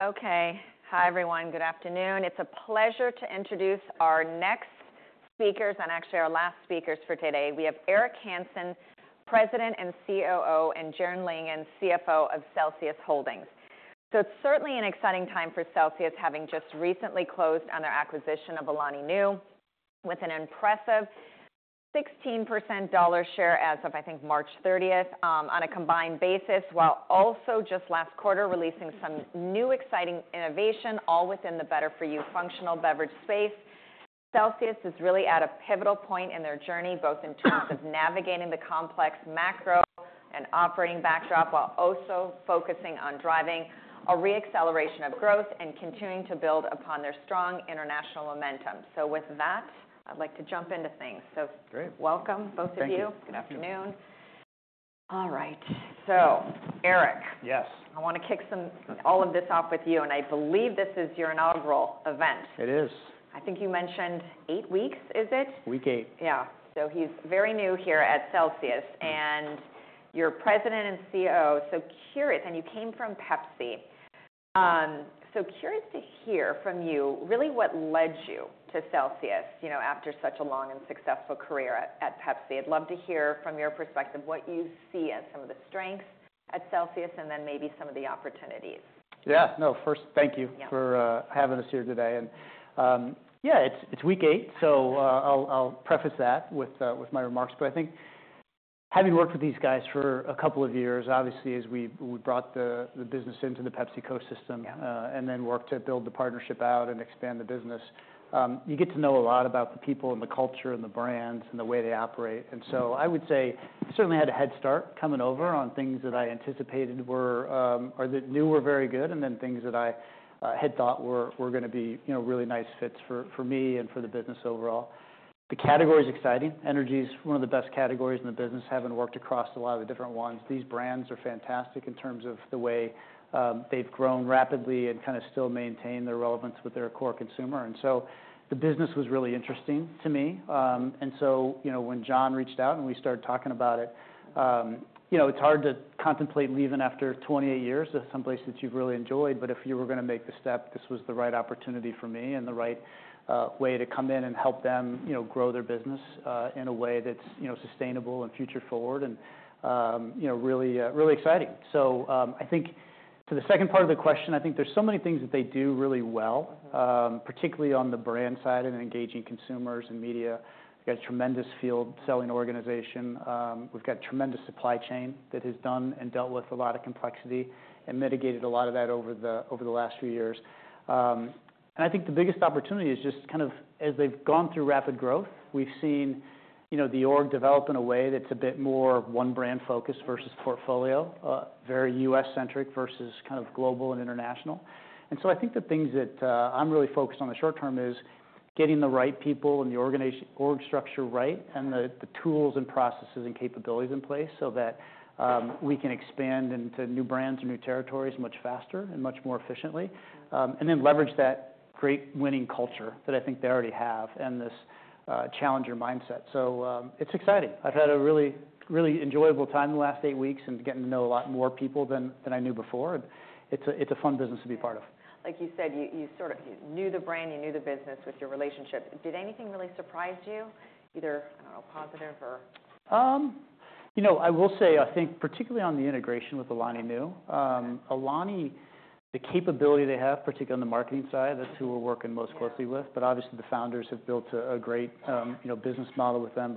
Okay. Hi, everyone. Good afternoon. It's a pleasure to introduce our next speakers, and actually our last speakers for today. We have Eric Hanson, President and COO, and Jarrod Langhans, CFO of Celsius Holdings. It's certainly an exciting time for Celsius, having just recently closed on their acquisition of Alani Nu, with an impressive 16% dollar share as of, I think, March 30th, on a combined basis, while also just last quarter releasing some new exciting innovation, all within the better-for-you functional beverage space. Celsius is really at a pivotal point in their journey, both in terms of navigating the complex macro and operating backdrop, while also focusing on driving a re-acceleration of growth and continuing to build upon their strong international momentum. With that, I'd like to jump into things. Great. Welcome, both of you. Thank you. Good afternoon. All right. So, Eric. Yes. I want to kick all of this off with you, and I believe this is your inaugural event. It is. I think you mentioned eight weeks, is it? Week eight. Yeah. So he's very new here at Celsius. And you're President and COO, so curious, and you came from Pepsi. So curious to hear from you, really, what led you to Celsius, you know, after such a long and successful career at Pepsi. I'd love to hear from your perspective what you see as some of the strengths at Celsius, and then maybe some of the opportunities. Yeah. No, first, thank you for having us here today. Yeah, it's week eight, so I'll preface that with my remarks. I think having worked with these guys for a couple of years, obviously, as we brought the business into the PepsiCo system, and then worked to build the partnership out and expand the business, you get to know a lot about the people and the culture and the brands and the way they operate. I would say I certainly had a head start coming over on things that I anticipated were or that I knew were very good, and then things that I had thought were going to be really nice fits for me and for the business overall. The category is exciting. Energy is one of the best categories in the business, having worked across a lot of the different ones. These brands are fantastic in terms of the way they've grown rapidly and kind of still maintain their relevance with their core consumer. The business was really interesting to me. When John reached out and we started talking about it, you know, it's hard to contemplate leaving after 28 years to someplace that you've really enjoyed. If you were going to make the step, this was the right opportunity for me and the right way to come in and help them grow their business in a way that's sustainable and future-forward and really exciting. I think to the second part of the question, I think there's so many things that they do really well, particularly on the brand side and engaging consumers and media. We've got a tremendous field-selling organization. We've got a tremendous supply chain that has done and dealt with a lot of complexity and mitigated a lot of that over the last few years. I think the biggest opportunity is just kind of as they've gone through rapid growth, we've seen the org develop in a way that's a bit more one-brand focus versus portfolio, very U.S.-centric versus kind of global and international. I think the things that I'm really focused on in the short term is getting the right people and the org structure right and the tools and processes and capabilities in place so that we can expand into new brands and new territories much faster and much more efficiently, and then leverage that great winning culture that I think they already have and this challenger mindset. It's exciting. I've had a really, really enjoyable time the last eight weeks and getting to know a lot more people than I knew before. It's a fun business to be part of. Like you said, you sort of knew the brand, you knew the business with your relationship. Did anything really surprise you, either, I don't know, positive or? You know, I will say, I think particularly on the integration with Alani Nu, Alani, the capability they have, particularly on the marketing side, that's who we're working most closely with. Obviously, the founders have built a great business model with them.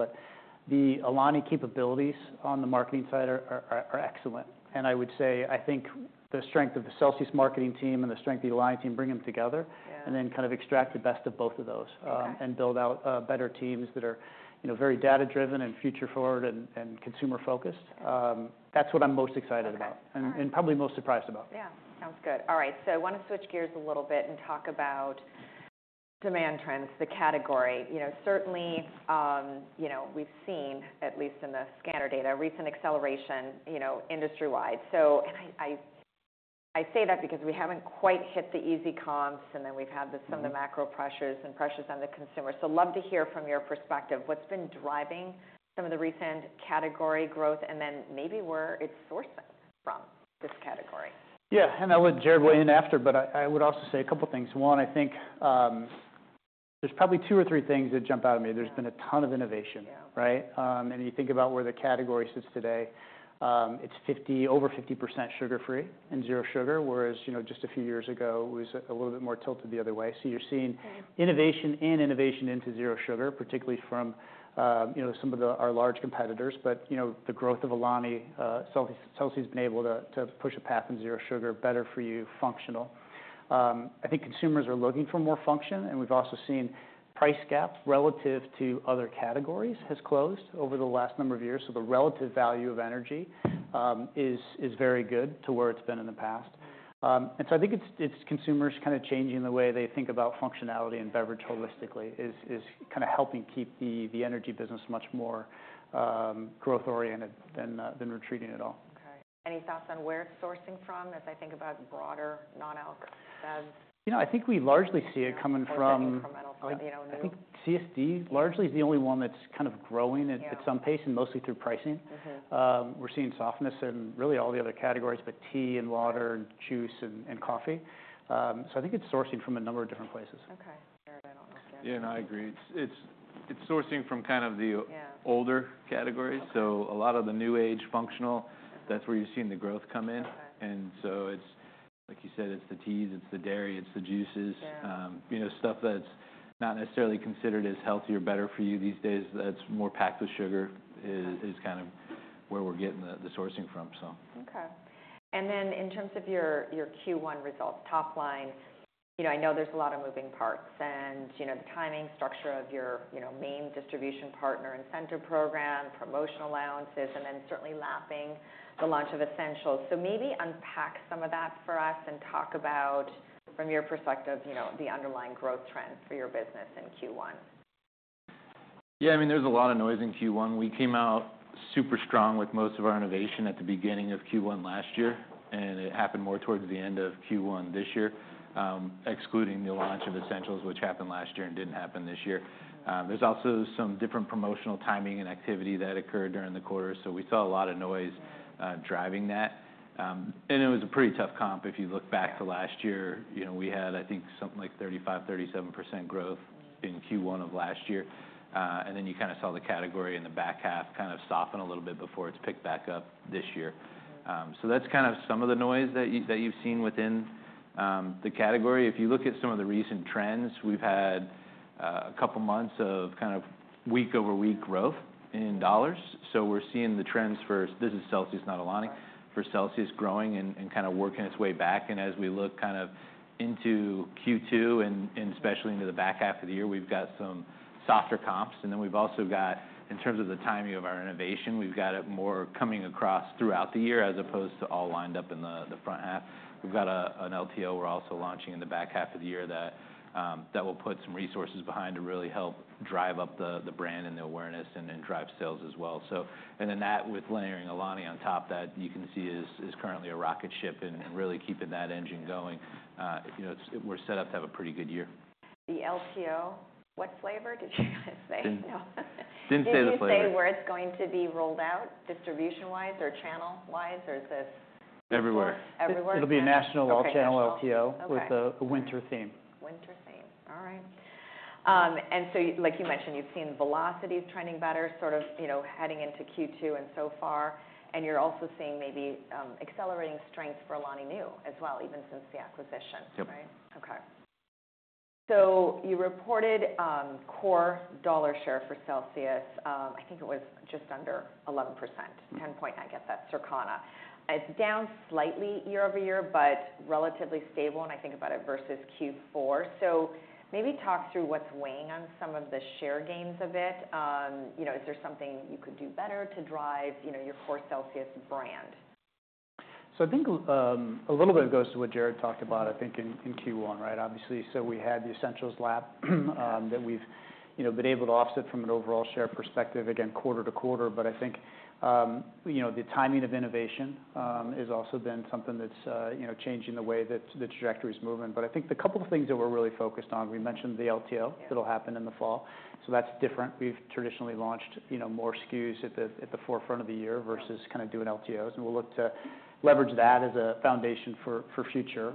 The Alani capabilities on the marketing side are excellent. I would say, I think the strength of the Celsius marketing team and the strength of the Alani team bring them together, and then kind of extract the best of both of those and build out better teams that are very data-driven and future-forward and consumer-focused. That's what I'm most excited about and probably most surprised about. Yeah. Sounds good. All right. I want to switch gears a little bit and talk about demand trends, the category. Certainly, we've seen, at least in the scanner data, recent acceleration industry-wide. I say that because we haven't quite hit the easy comps, and then we've had some of the macro pressures and pressures on the consumer. Love to hear from your perspective, what's been driving some of the recent category growth, and then maybe where it's sourcing from this category. Yeah. I'll let Jarrod weigh in after, but I would also say a couple of things. One, I think there's probably two or three things that jump out at me. There's been a ton of innovation, right? You think about where the category sits today, it's over 50% sugar-free and zero sugar, whereas just a few years ago, it was a little bit more tilted the other way. You're seeing innovation and innovation into zero sugar, particularly from some of our large competitors. The growth of Alani, Celsius has been able to push a path in zero sugar, better-for-you functional. I think consumers are looking for more function, and we've also seen price gaps relative to other categories has closed over the last number of years. The relative value of energy is very good to where it's been in the past. I think it's consumers kind of changing the way they think about functionality and beverage holistically is kind of helping keep the energy business much more growth-oriented than retreating at all. Okay. Any thoughts on where it's sourcing from as I think about broader non-alc feds? You know, I think we largely see it coming from. From incremental? I think CSD largely is the only one that's kind of growing at some pace, and mostly through pricing. We're seeing softness in really all the other categories, but tea and water and juice and coffee. I think it's sourcing from a number of different places. Okay. Jarrod, I don't know if Jarrod. Yeah, and I agree. It's sourcing from kind of the older categories. A lot of the new age functional, that's where you're seeing the growth come in. Like you said, it's the teas, it's the dairy, it's the juices, stuff that's not necessarily considered as healthy or better for you these days, that's more packed with sugar is kind of where we're getting the sourcing from. Okay. In terms of your Q1 results, top line, I know there's a lot of moving parts, and the timing structure of your main distribution partner incentive program, promotion allowances, and then certainly lapping the launch of Essentials. Maybe unpack some of that for us and talk about, from your perspective, the underlying growth trend for your business in Q1. Yeah. I mean, there's a lot of noise in Q1. We came out super strong with most of our innovation at the beginning of Q1 last year, and it happened more towards the end of Q1 this year, excluding the launch of Essentials, which happened last year and didn't happen this year. There's also some different promotional timing and activity that occurred during the quarter. We saw a lot of noise driving that. It was a pretty tough comp. If you look back to last year, we had, I think, something like 35%-37% growth in Q1 of last year. You kind of saw the category in the back half kind of soften a little bit before it picked back up this year. That's kind of some of the noise that you've seen within the category. If you look at some of the recent trends, we've had a couple of months of kind of week-over-week growth in dollars. We are seeing the trends for, this is Celsius, not Alani, for Celsius growing and kind of working its way back. As we look kind of into Q2, and especially into the back half of the year, we've got some softer comps. We have also got, in terms of the timing of our innovation, we have it more coming across throughout the year as opposed to all lined up in the front half. We have an LTO we are also launching in the back half of the year that we will put some resources behind to really help drive up the brand and the awareness and drive sales as well. That with layering Alani on top, that you can see is currently a rocket ship and really keeping that engine going. We're set up to have a pretty good year. The LTO, what flavor did you guys say? Didn't say the flavor. Didn't say where it's going to be rolled out distribution-wise or channel-wise, or is this? Everywhere. Everywhere? It'll be national all-channel LTO with a winter theme. Winter theme. All right. And like you mentioned, you've seen velocity is trending better, sort of heading into Q2 and so far. And you're also seeing maybe accelerating strength for Alani Nu as well, even since the acquisition, right? Yep. Okay. So you reported core dollar share for Celsius, I think it was just under 11%, 10-point, I guess, that Circana. It's down slightly year over year, but relatively stable, and I think about it versus Q4. Maybe talk through what's weighing on some of the share gains a bit. Is there something you could do better to drive your core Celsius brand? I think a little bit goes to what Jarrod talked about, I think, in Q1, right, obviously. We had the Essentials lap that we've been able to offset from an overall share perspective, again, quarter to quarter. I think the timing of innovation has also been something that's changing the way that the trajectory is moving. I think the couple of things that we're really focused on, we mentioned the LTO that'll happen in the fall. That's different. We've traditionally launched more SKUs at the forefront of the year versus kind of doing LTOs. We'll look to leverage that as a foundation for future.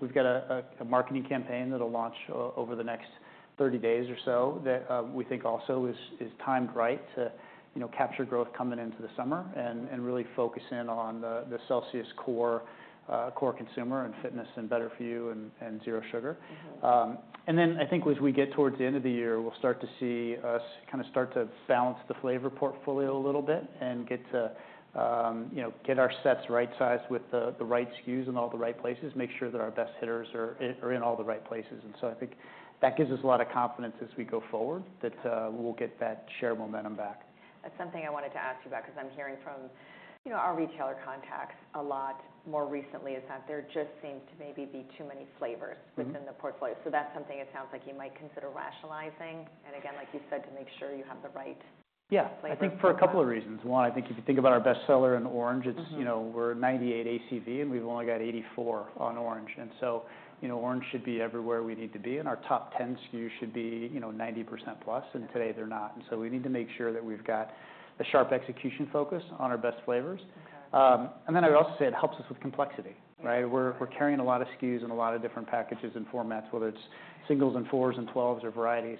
We've got a marketing campaign that'll launch over the next 30 days or so that we think also is timed right to capture growth coming into the summer and really focus in on the Celsius core consumer and fitness and better-for-you and zero sugar. I think as we get towards the end of the year, we'll start to see us kind of start to balance the flavor portfolio a little bit and get our sets right-sized with the right SKUs in all the right places, make sure that our best hitters are in all the right places. I think that gives us a lot of confidence as we go forward that we'll get that share momentum back. That's something I wanted to ask you about because I'm hearing from our retailer contacts a lot more recently is that there just seems to maybe be too many flavors within the portfolio. That's something it sounds like you might consider rationalizing. Again, like you said, to make sure you have the right flavors. Yeah. I think for a couple of reasons. One, I think if you think about our bestseller in orange, we're 98% ACV, and we've only got 84% on orange. Orange should be everywhere we need to be, and our top 10 SKUs should be 90% plus, and today they're not. We need to make sure that we've got a sharp execution focus on our best flavors. I would also say it helps us with complexity, right? We're carrying a lot of SKUs in a lot of different packages and formats, whether it's singles and fours and twelves or varieties.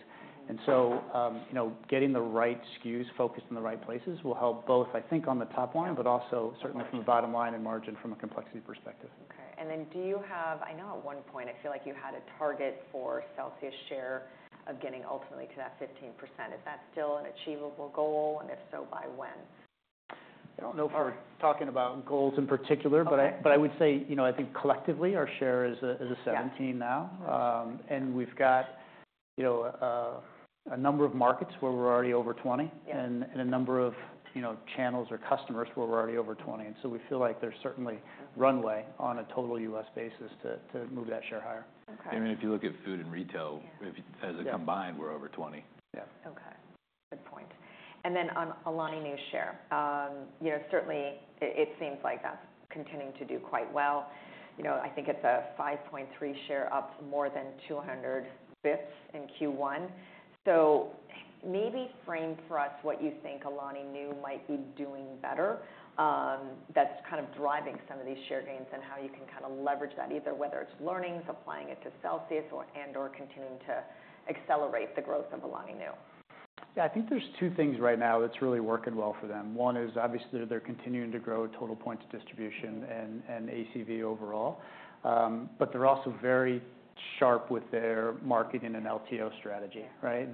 Getting the right SKUs focused in the right places will help both, I think, on the top line, but also certainly from the bottom line and margin from a complexity perspective. Okay. Do you have, I know at one point I feel like you had a target for Celsius share of getting ultimately to that 15%. Is that still an achievable goal? If so, by when? I don't know if we're talking about goals in particular, but I would say I think collectively our share is at 17% now. We've got a number of markets where we're already over 20% and a number of channels or customers where we're already over 20%. We feel like there's certainly runway on a total U.S. basis to move that share higher. I mean, if you look at food and retail, as a combined, we're over 20. Yeah. Okay. Good point. And then on Alani Nu's share, certainly it seems like that's continuing to do quite well. I think it's a 5.3% share, up more than 200 basis points in Q1. Maybe frame for us what you think Alani Nu might be doing better that's kind of driving some of these share gains and how you can kind of leverage that, either whether it's learnings, applying it to Celsius, and/or continuing to accelerate the growth of Alani Nu. Yeah. I think there's two things right now that's really working well for them. One is obviously they're continuing to grow total points distribution and ACV overall, but they're also very sharp with their marketing and LTO strategy, right?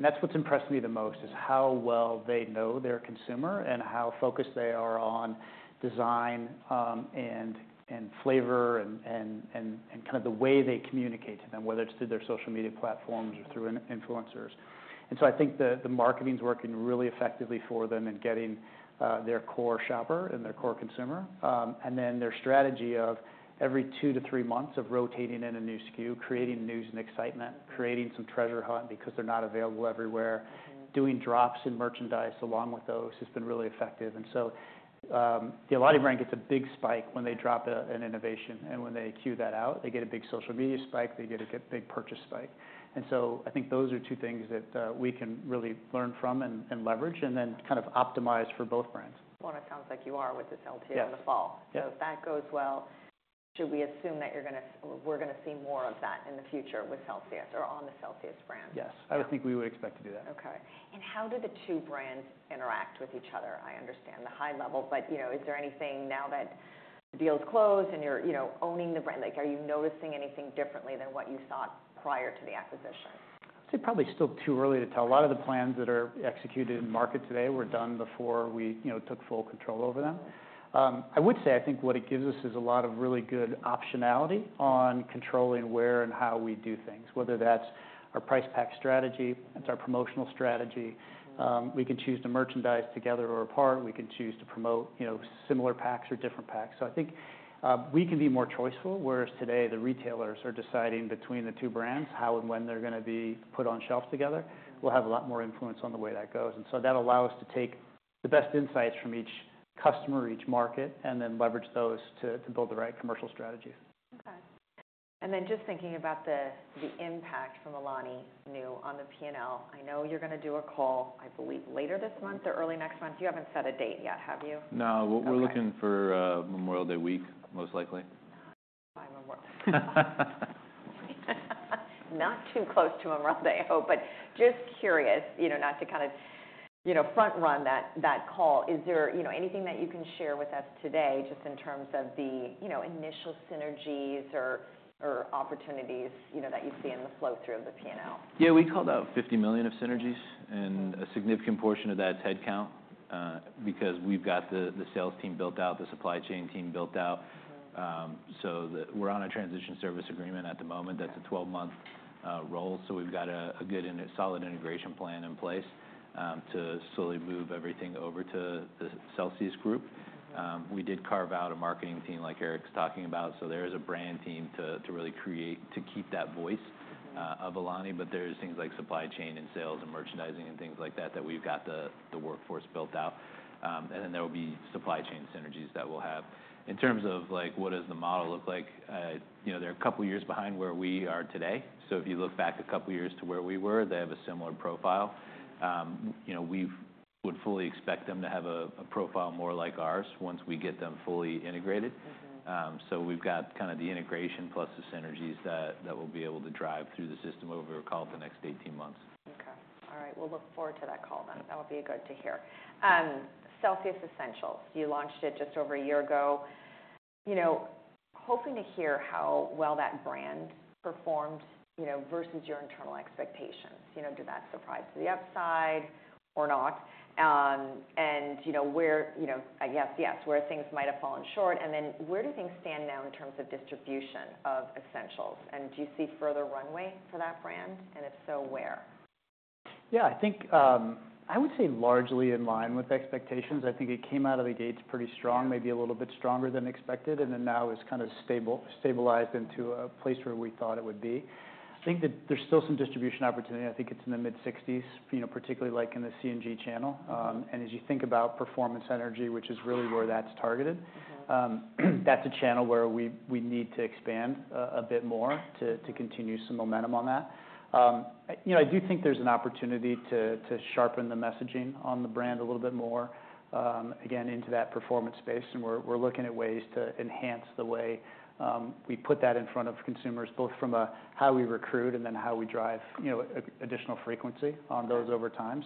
That's what's impressed me the most is how well they know their consumer and how focused they are on design and flavor and kind of the way they communicate to them, whether it's through their social media platforms or through influencers. I think the marketing's working really effectively for them in getting their core shopper and their core consumer. Their strategy of every two to three months of rotating in a new SKU, creating news and excitement, creating some treasure hunt because they're not available everywhere, doing drops in merchandise along with those has been really effective. The Alani Nu brand gets a big spike when they drop an innovation, and when they queue that out, they get a big social media spike, they get a big purchase spike. I think those are two things that we can really learn from and leverage and then kind of optimize for both brands. It sounds like you are with this LTO in the fall. If that goes well, should we assume that we're going to see more of that in the future with Celsius or on the Celsius brand? Yes. I would think we would expect to do that. Okay. How do the two brands interact with each other? I understand the high level, but is there anything now that the deal is closed and you're owning the brand, are you noticing anything differently than what you thought prior to the acquisition? I'd say probably still too early to tell. A lot of the plans that are executed in market today were done before we took full control over them. I would say I think what it gives us is a lot of really good optionality on controlling where and how we do things, whether that's our price pack strategy, it's our promotional strategy. We can choose to merchandise together or apart. We can choose to promote similar packs or different packs. I think we can be more choiceful, whereas today the retailers are deciding between the two brands how and when they're going to be put on shelf together. We'll have a lot more influence on the way that goes. That allows us to take the best insights from each customer, each market, and then leverage those to build the right commercial strategies. Okay. And then just thinking about the impact from Alani Nu on the P&L, I know you're going to do a call, I believe, later this month or early next month. You haven't set a date yet, have you? No. We're looking for Memorial Day week, most likely. Not too close to Memorial Day, I hope, but just curious, not to kind of front-run that call, is there anything that you can share with us today just in terms of the initial synergies or opportunities that you see in the flow through of the P&L? Yeah. We called out $50 million of synergies and a significant portion of that's headcount because we've got the sales team built out, the supply chain team built out. We're on a transition service agreement at the moment. That's a 12-month role. We've got a good and solid integration plan in place to slowly move everything over to the Celsius group. We did carve out a marketing team like Eric's talking about. There is a brand team to really create to keep that voice of Alani, but there are things like supply chain and sales and merchandising and things like that that we've got the workforce built out. There will be supply chain synergies that we'll have. In terms of what does the model look like, they're a couple of years behind where we are today. If you look back a couple of years to where we were, they have a similar profile. We would fully expect them to have a profile more like ours once we get them fully integrated. We have kind of the integration plus the synergies that we'll be able to drive through the system over a call the next 18 months. Okay. All right. We'll look forward to that call then. That would be good to hear. Celsius Essentials, you launched it just over a year ago. Hoping to hear how well that brand performed versus your internal expectations. Did that surprise to the upside or not? Yes, where things might have fallen short. Where do things stand now in terms of distribution of Essentials? Do you see further runway for that brand? If so, where? Yeah. I think I would say largely in line with expectations. I think it came out of the gates pretty strong, maybe a little bit stronger than expected, and now it's kind of stabilized into a place where we thought it would be. I think that there's still some distribution opportunity. I think it's in the mid-60s, particularly like in the CNG channel. As you think about performance energy, which is really where that's targeted, that's a channel where we need to expand a bit more to continue some momentum on that. I do think there's an opportunity to sharpen the messaging on the brand a little bit more, again, into that performance space. We are looking at ways to enhance the way we put that in front of consumers, both from how we recruit and then how we drive additional frequency on those over time.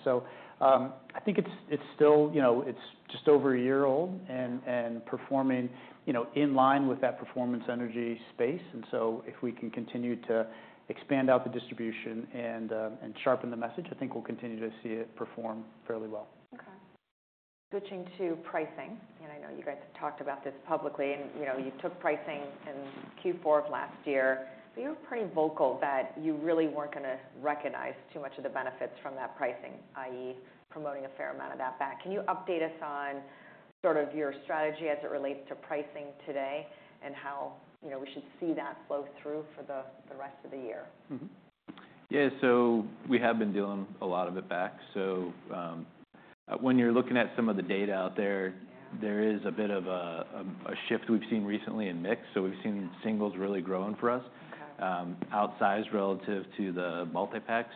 I think it's still, it's just over a year old and performing in line with that performance energy space. And if we can continue to expand out the distribution and sharpen the message, I think we'll continue to see it perform fairly well. Okay. Switching to pricing, and I know you guys have talked about this publicly, and you took pricing in Q4 of last year, but you were pretty vocal that you really weren't going to recognize too much of the benefits from that pricing, i.e., promoting a fair amount of that back. Can you update us on sort of your strategy as it relates to pricing today and how we should see that flow through for the rest of the year? Yeah. We have been dealing a lot of it back. When you're looking at some of the data out there, there is a bit of a shift we've seen recently in mix. We've seen singles really growing for us outsized relative to the multi-packs.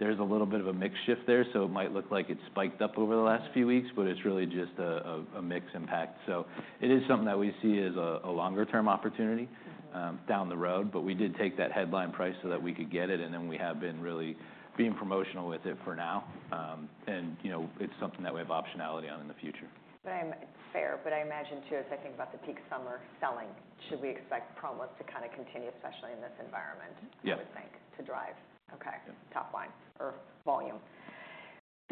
There's a little bit of a mix shift there. It might look like it spiked up over the last few weeks, but it's really just a mix impact. It is something that we see as a longer-term opportunity down the road, but we did take that headline price so that we could get it, and then we have been really being promotional with it for now. It is something that we have optionality on in the future. Fair. I imagine too, as I think about the peak summer selling, should we expect promos to kind of continue, especially in this environment? I would think, to drive top line or volume.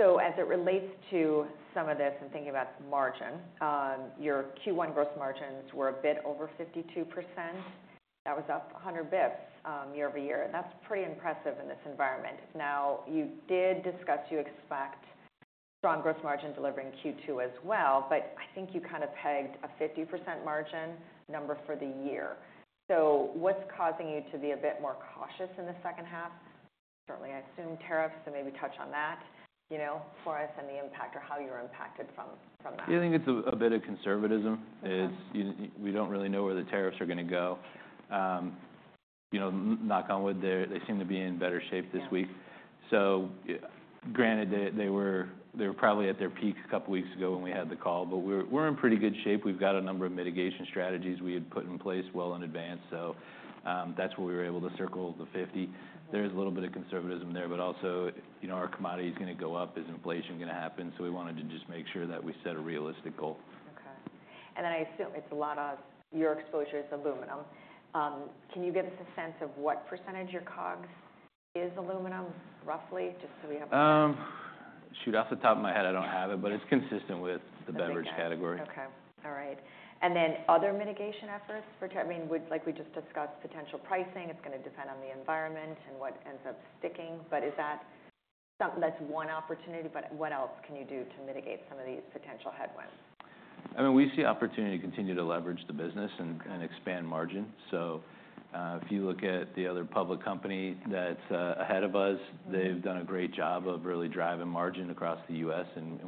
As it relates to some of this and thinking about margin, your Q1 gross margins were a bit over 52%. That was up 100 basis points year over year. That's pretty impressive in this environment. Now, you did discuss you expect strong gross margin delivering Q2 as well, but I think you kind of pegged a 50% margin number for the year. What's causing you to be a bit more cautious in the second half? Certainly, I assume tariffs, so maybe touch on that for us and the impact or how you're impacted from that. Yeah. I think it's a bit of conservatism. We don't really know where the tariffs are going to go. Knock on wood, they seem to be in better shape this week. Granted, they were probably at their peak a couple of weeks ago when we had the call, but we're in pretty good shape. We've got a number of mitigation strategies we had put in place well in advance. That's where we were able to circle the 50. There is a little bit of conservatism there, but also are commodities going to go up? Is inflation going to happen? We wanted to just make sure that we set a realistic goal. Okay. I assume a lot of your exposure is aluminum. Can you give us a sense of what percentage your COGS is aluminum, roughly, just so we have? Shoot, off the top of my head, I don't have it, but it's consistent with the beverage category. Okay. All right. And then other mitigation efforts? I mean, like we just discussed, potential pricing. It's going to depend on the environment and what ends up sticking, but is that something that's one opportunity? What else can you do to mitigate some of these potential headwinds? I mean, we see opportunity to continue to leverage the business and expand margin. If you look at the other public company that's ahead of us, they've done a great job of really driving margin across the U.S.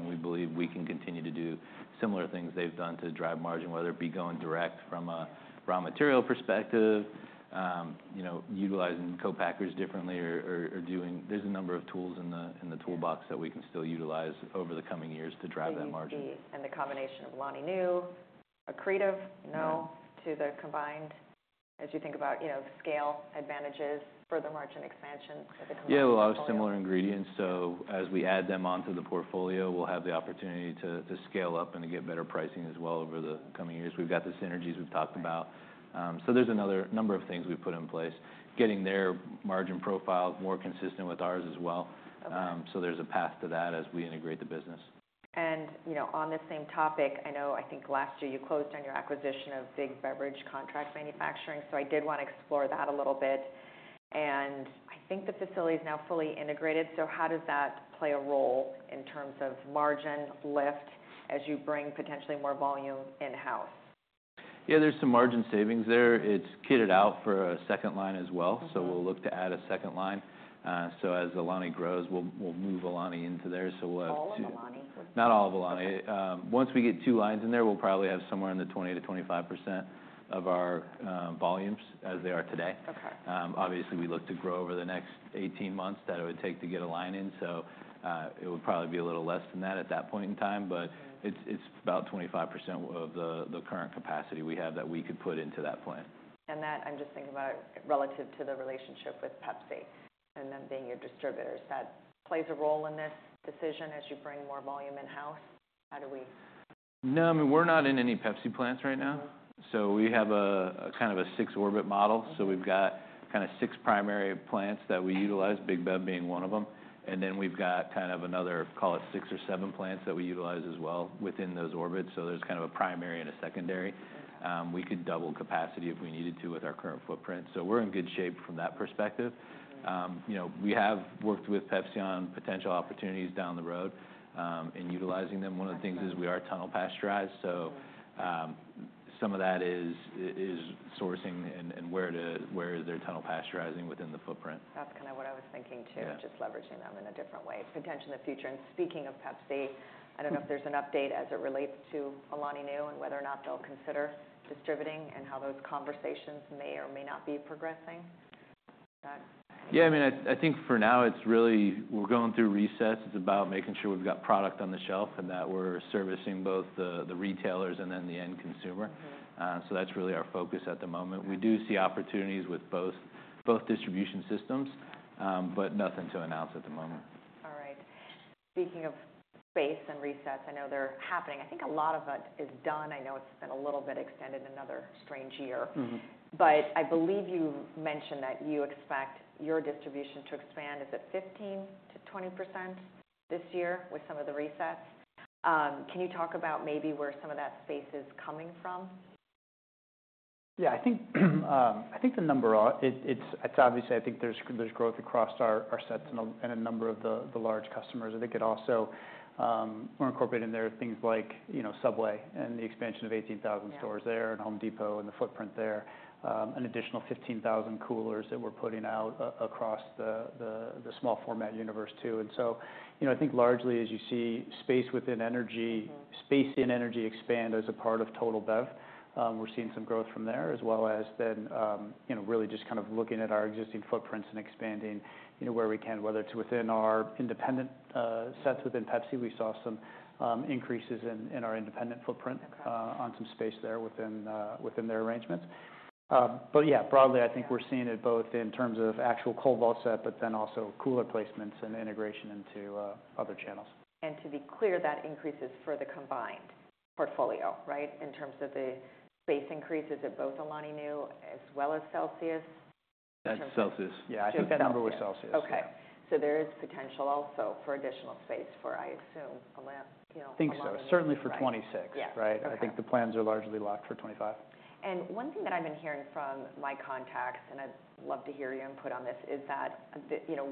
We believe we can continue to do similar things they've done to drive margin, whether it be going direct from a raw material perspective, utilizing co-packers differently, or doing—there's a number of tools in the toolbox that we can still utilize over the coming years to drive that margin. The combination of Alani Nu, accretive, no to the combined, as you think about scale advantages for the margin expansion of the combined? Yeah. A lot of similar ingredients. As we add them onto the portfolio, we'll have the opportunity to scale up and to get better pricing as well over the coming years. We've got the synergies we've talked about. There are a number of things we've put in place, getting their margin profile more consistent with ours as well. There is a path to that as we integrate the business. On this same topic, I know I think last year you closed on your acquisition of Big Beverage contract manufacturing. I did want to explore that a little bit. I think the facility is now fully integrated. How does that play a role in terms of margin lift as you bring potentially more volume in-house? Yeah. There's some margin savings there. It's kitted out for a second line as well. We'll look to add a second line. As Alani grows, we'll move Alani into there. We'll have. All of Alani? Not all of Alani. Once we get two lines in there, we'll probably have somewhere in the 20-25% of our volumes as they are today. Obviously, we look to grow over the next 18 months that it would take to get a line in. It would probably be a little less than that at that point in time, but it's about 25% of the current capacity we have that we could put into that plant. I'm just thinking about relative to the relationship with Pepsi and them being your distributors. That plays a role in this decision as you bring more volume in-house. How do we? No. I mean, we're not in any Pepsi plants right now. We have kind of a six-orbit model. We've got six primary plants that we utilize, Big Beverage being one of them. Then we've got another, call it six or seven plants that we utilize as well within those orbits. There's a primary and a secondary. We could double capacity if we needed to with our current footprint. We're in good shape from that perspective. We have worked with Pepsi on potential opportunities down the road and utilizing them. One of the things is we are tunnel pasteurized. Some of that is sourcing and where they're tunnel pasteurizing within the footprint. That's kind of what I was thinking too, just leveraging them in a different way, potentially in the future. Speaking of Pepsi, I don't know if there's an update as it relates to Alani Nu and whether or not they'll consider distributing and how those conversations may or may not be progressing. Yeah. I mean, I think for now it's really we're going through recess. It's about making sure we've got product on the shelf and that we're servicing both the retailers and then the end consumer. That is really our focus at the moment. We do see opportunities with both distribution systems, but nothing to announce at the moment. All right. Speaking of space and resets, I know they're happening. I think a lot of it is done. I know it's been a little bit extended, another strange year. I believe you mentioned that you expect your distribution to expand. Is it 15%-20% this year with some of the resets? Can you talk about maybe where some of that space is coming from? Yeah. I think the number, it's obviously, I think there's growth across our sets and a number of the large customers. I think it also we're incorporating there things like Subway and the expansion of 18,000 stores there and Home Depot and the footprint there, an additional 15,000 coolers that we're putting out across the small format universe too. I think largely as you see space within energy, space in energy expand as a part of Total Bev. We're seeing some growth from there as well as then really just kind of looking at our existing footprints and expanding where we can, whether it's within our independent sets within Pepsi. We saw some increases in our independent footprint on some space there within their arrangements. Yeah, broadly, I think we're seeing it both in terms of actual cold vault set, but then also cooler placements and integration into other channels. To be clear, that increases for the combined portfolio, right, in terms of the space increases at both Alani Nu as well as Celsius? That's Celsius. Yeah, I think that number was Celsius. Okay. So there is potential also for additional space for, I assume, Alani Nu. I think so. Certainly for 2026, right? I think the plans are largely locked for 2025. One thing that I've been hearing from my contacts, and I'd love to hear your input on this, is that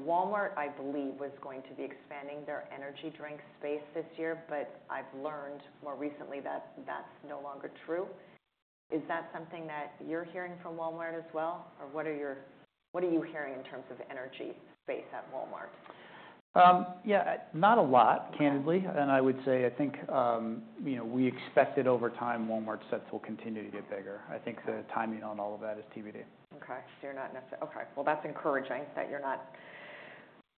Walmart, I believe, was going to be expanding their energy drink space this year, but I've learned more recently that that's no longer true. Is that something that you're hearing from Walmart as well, or what are you hearing in terms of energy space at Walmart? Yeah. Not a lot, candidly. I would say I think we expect that over time, Walmart's sets will continue to get bigger. I think the timing on all of that is TBD. Okay. So you're not necessarily. Okay. That's encouraging that you're not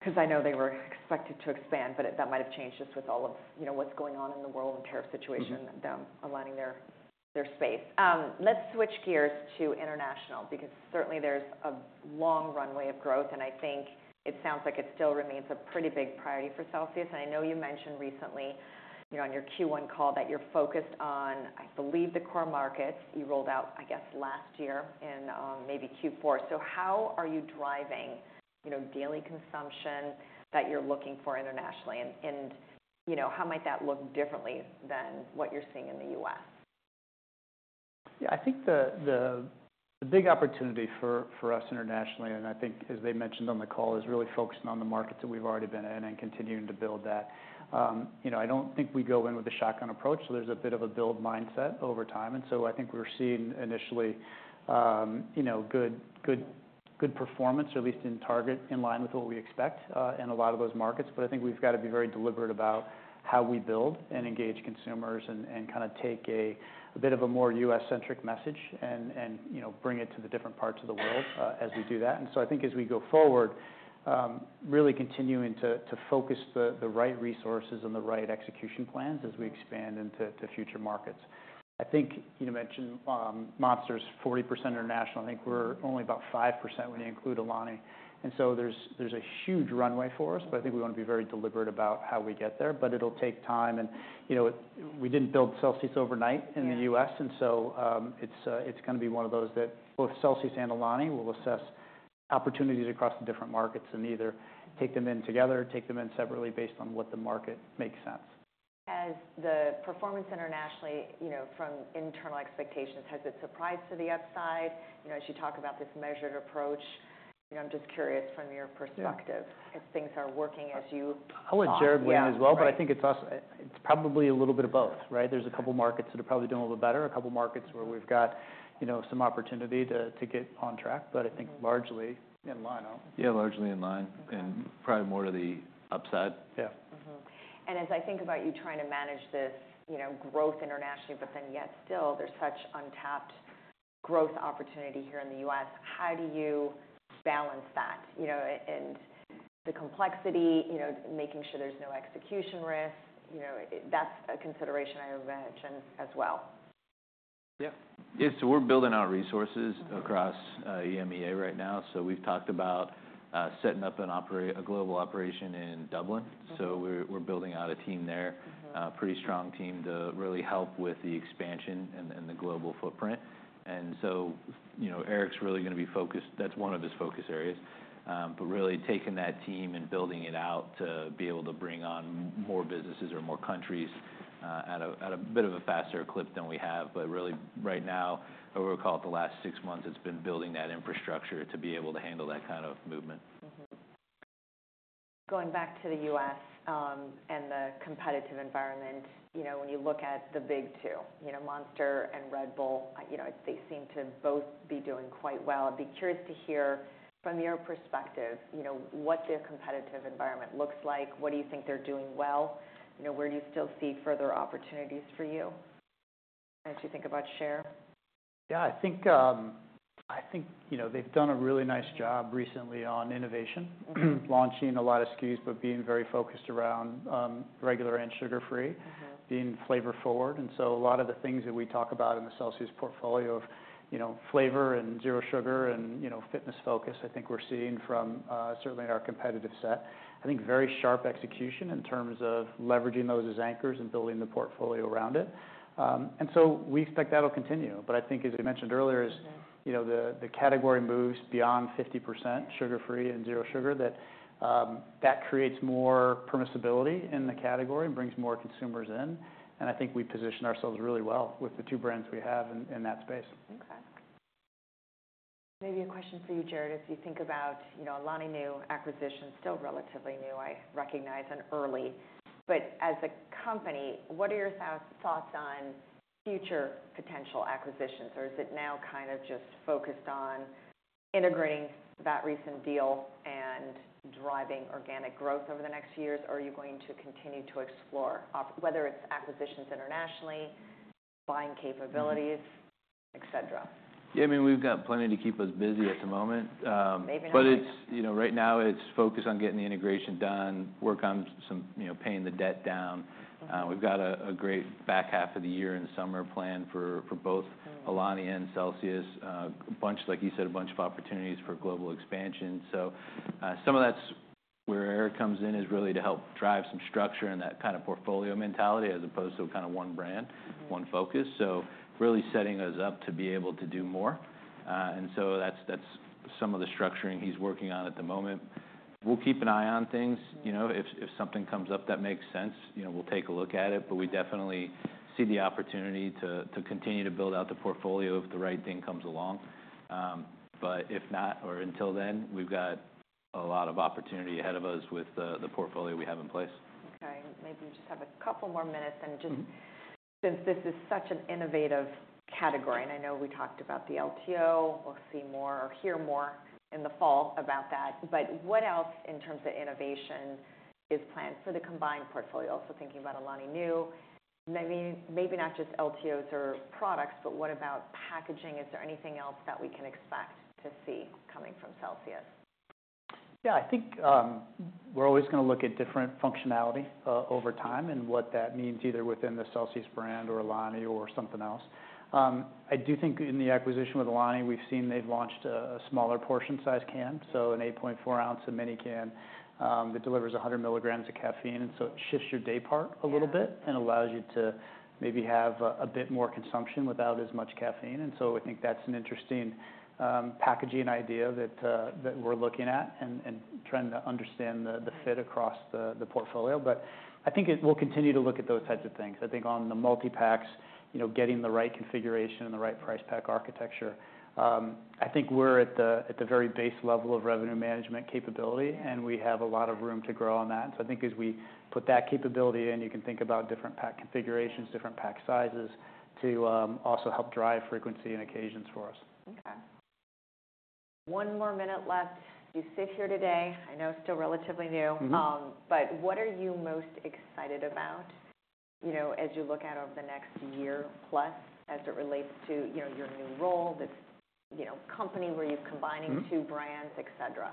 because I know they were expected to expand, but that might have changed just with all of what's going on in the world and tariff situation, them aligning their space. Let's switch gears to international because certainly there's a long runway of growth, and I think it sounds like it still remains a pretty big priority for Celsius. I know you mentioned recently on your Q1 call that you're focused on, I believe, the core markets. You rolled out, I guess, last year in maybe Q4. How are you driving daily consumption that you're looking for internationally, and how might that look differently than what you're seeing in the U.S.? Yeah. I think the big opportunity for us internationally, and I think, as they mentioned on the call, is really focusing on the markets that we've already been in and continuing to build that. I don't think we go in with a shotgun approach. There's a bit of a build mindset over time. I think we're seeing initially good performance, or at least in target, in line with what we expect in a lot of those markets. I think we've got to be very deliberate about how we build and engage consumers and kind of take a bit of a more U.S.-centric message and bring it to the different parts of the world as we do that. I think as we go forward, really continuing to focus the right resources and the right execution plans as we expand into future markets. I think you mentioned Monster's 40% international. I think we're only about 5% when you include Alani. There is a huge runway for us, but I think we want to be very deliberate about how we get there, but it'll take time. We didn't build Celsius overnight in the U.S. It is going to be one of those that both Celsius and Alani will assess opportunities across the different markets and either take them in together or take them in separately based on what the market makes sense. Has the performance internationally from internal expectations, has it surprised to the upside? As you talk about this measured approach, I'm just curious from your perspective if things are working as you. I'll let Jarrod win as well, but I think it's probably a little bit of both, right? There's a couple of markets that are probably doing a little bit better, a couple of markets where we've got some opportunity to get on track, but I think largely in line. Yeah. Largely in line and probably more to the upside. Yeah. As I think about you trying to manage this growth internationally, but then yet still there's such untapped growth opportunity here in the U.S., how do you balance that and the complexity, making sure there's no execution risk? That's a consideration I would mention as well. Yeah. Yeah. We're building out resources across EMEA right now. We've talked about setting up a global operation in Dublin. We're building out a team there, a pretty strong team to really help with the expansion and the global footprint. Eric's really going to be focused, that's one of his focus areas, but really taking that team and building it out to be able to bring on more businesses or more countries at a bit of a faster clip than we have. Really right now, over, call it the last six months, it's been building that infrastructure to be able to handle that kind of movement. Going back to the U.S. and the competitive environment, when you look at the big two, Monster and Red Bull, they seem to both be doing quite well. I'd be curious to hear from your perspective what their competitive environment looks like. What do you think they're doing well? Where do you still see further opportunities for you as you think about share? Yeah. I think they've done a really nice job recently on innovation, launching a lot of SKUs, but being very focused around regular and sugar-free, being flavor-forward. A lot of the things that we talk about in the Celsius portfolio of flavor and zero sugar and fitness focus, I think we're seeing from certainly our competitive set. I think very sharp execution in terms of leveraging those as anchors and building the portfolio around it. We expect that'll continue. I think, as I mentioned earlier, as the category moves beyond 50% sugar-free and zero sugar, that creates more permissibility in the category and brings more consumers in. I think we position ourselves really well with the two brands we have in that space. Okay. Maybe a question for you, Jarrod, as you think about the Alani Nu acquisition, still relatively new, I recognize, and early. As a company, what are your thoughts on future potential acquisitions, or is it now kind of just focused on integrating that recent deal and driving organic growth over the next years? Are you going to continue to explore, whether it's acquisitions internationally, buying capabilities, etc.? Yeah. I mean, we've got plenty to keep us busy at the moment. Maybe not. Right now, it's focus on getting the integration done, work on some paying the debt down. We've got a great back half of the year and summer plan for both Alani and Celsius. A bunch, like you said, a bunch of opportunities for global expansion. Some of that's where Eric comes in is really to help drive some structure in that kind of portfolio mentality as opposed to kind of one brand, one focus. Really setting us up to be able to do more. That's some of the structuring he's working on at the moment. We'll keep an eye on things. If something comes up that makes sense, we'll take a look at it. We definitely see the opportunity to continue to build out the portfolio if the right thing comes along. If not, or until then, we've got a lot of opportunity ahead of us with the portfolio we have in place. Okay. Maybe we just have a couple more minutes. Since this is such an innovative category, and I know we talked about the LTO, we'll see more or hear more in the fall about that. What else in terms of innovation is planned for the combined portfolio? Also thinking about Alani Nu, maybe not just LTOs or products, but what about packaging? Is there anything else that we can expect to see coming from Celsius? Yeah. I think we're always going to look at different functionality over time and what that means either within the Celsius brand or Alani or something else. I do think in the acquisition with Alani, we've seen they've launched a smaller portion size can, so an 8.4-ounce mini can that delivers 100 milligrams of caffeine. It shifts your day part a little bit and allows you to maybe have a bit more consumption without as much caffeine. I think that's an interesting packaging idea that we're looking at and trying to understand the fit across the portfolio. I think we'll continue to look at those types of things. I think on the multi-packs, getting the right configuration and the right price pack architecture. I think we're at the very base level of revenue management capability, and we have a lot of room to grow on that. I think as we put that capability in, you can think about different pack configurations, different pack sizes to also help drive frequency and occasions for us. Okay. One more minute left. You sit here today. I know it's still relatively new, but what are you most excited about as you look out over the next year plus as it relates to your new role, this company where you're combining two brands, etc.?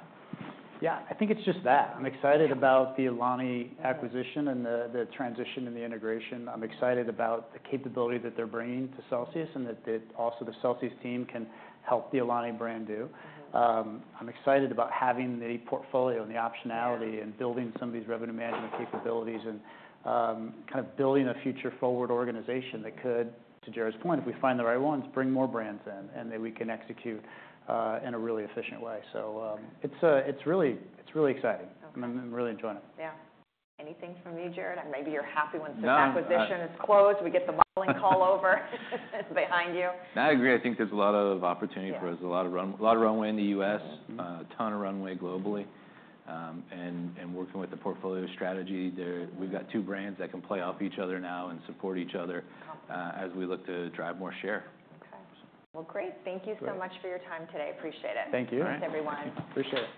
Yeah. I think it's just that. I'm excited about the Alani Nu acquisition and the transition and the integration. I'm excited about the capability that they're bringing to Celsius and that also the Celsius team can help the Alani Nu brand do. I'm excited about having the portfolio and the optionality and building some of these revenue management capabilities and kind of building a future-forward organization that could, to Jarrod's point, if we find the right ones, bring more brands in and that we can execute in a really efficient way. It's really exciting. I'm really enjoying it. Yeah. Anything from you, Jarrod? Maybe you're happy once this acquisition is closed, we get the wobbling call over behind you. I agree. I think there's a lot of opportunity for us, a lot of runway in the U.S., a ton of runway globally. Working with the portfolio strategy, we've got two brands that can play off each other now and support each other as we look to drive more share. Okay. Great. Thank you so much for your time today. Appreciate it. Thank you. Thanks, everyone. Appreciate it.